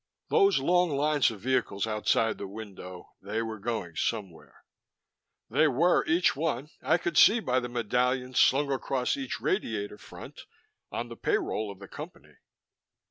Those long lines of vehicles outside the window; they were going somewhere; they were each one, I could see by the medallion slung across each radiator front, on the payroll of the Company.